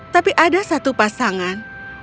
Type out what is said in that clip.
tapi ada satu pasangan